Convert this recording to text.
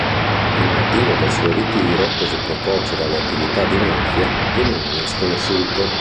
Il motivo del suo ritiro così precoce dalle attività di mafia, rimane sconosciuto.